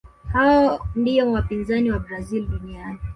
hao ndiyo wapinzani wa brazil duniani